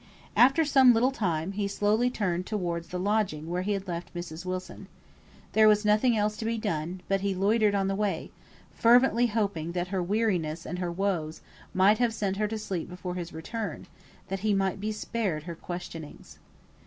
After some little time he slowly turned towards the lodging where he had left Mrs. Wilson. There was nothing else to be done; but he loitered on the way, fervently hoping that her weariness and her woes might have sent her to sleep before his return, that he might be spared her questionings.